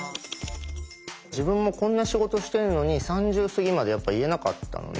自分もこんな仕事してるのに３０すぎまでやっぱ言えなかったのね。